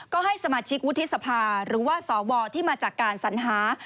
ก็ให้สมาชิกวุฒิสภาหรือว่าสวที่มาจากการสัญหา